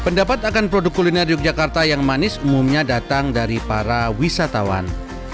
pendapat akan produk kuliner yogyakarta yang manis umumnya datang dari para wisatawan